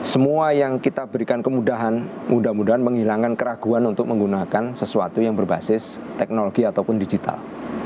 semua yang kita berikan kemudahan mudah mudahan menghilangkan keraguan untuk menggunakan sesuatu yang berbasis teknologi ataupun digital